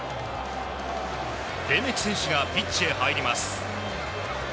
レメキ選手がピッチに入ります。